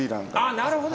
なるほど。